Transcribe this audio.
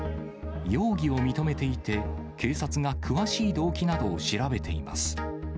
容疑を認めていて、警察が詳しい動機などを調べています。